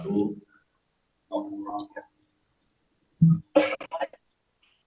tahun tahun yang lalu